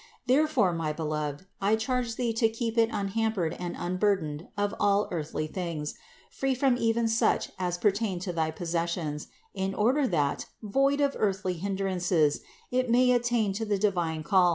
There fore, my beloved, I charge thee to keep it unhampered and unburdened of all earthly things, free from even such as pertain to thy possessions, in order that, void of earthly hindrances, it may attend to the divine calls.